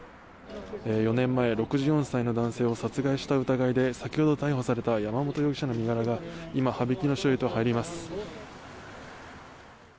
４年前、６４歳の男性を殺害した疑いで先ほど逮捕された山本容疑者の身柄が今、羽曳野署へと入ります。